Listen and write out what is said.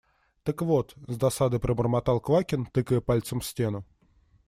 – Так вот… – с досадой пробормотал Квакин, тыкая пальцем в стену.